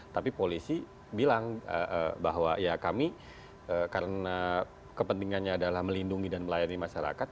tapi polisi bilang bahwa ya kami karena kepentingannya adalah melindungi dan melayani masyarakat